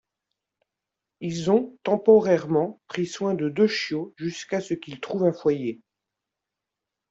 Ils ont temporairement pris soin de deux chiots jusqu'à ce qu'ils trouvent un foyer.